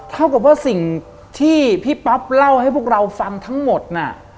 เท่ากับว่าสิ่งที่พี่ป๊อปเล่าให้พวกเราฟังทั้งหมดน่ะ